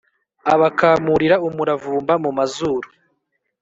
abakamurira umuravumba mu mazuru